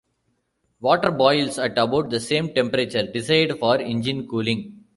Water boils at about the same temperature desired for engine cooling.